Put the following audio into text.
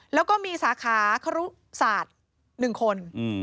แล้วก็มีสาขาขฤษาธิ์๑คน